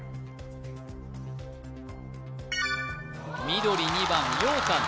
緑２番ようかん